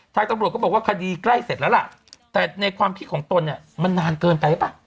ทางตำรวจก็บอกว่าคดีใกล้เสร็จแล้วล่ะแต่ในความคิดของตนเนี่ยมันนานเกินไปหรือเปล่า